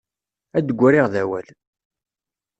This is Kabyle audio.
Ad d-griɣ d awal.